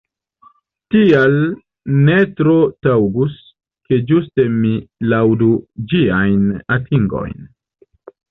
Tial ne tro taŭgus, ke ĝuste mi laŭdu ĝiajn atingojn.